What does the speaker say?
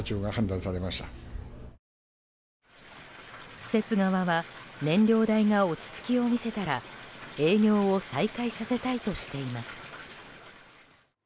施設側は燃料代が落ち着きを見せたら営業を再開させたいとしています。